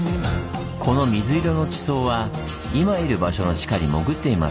この水色の地層は今いる場所の地下に潜っています。